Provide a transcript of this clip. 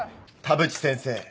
田淵先生